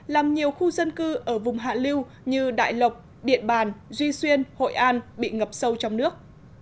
làm nhiều khu dân cư ở vùng hạ lưu như đại lộc điện bàn duy xuyên hội an bị ngập sâu trong nước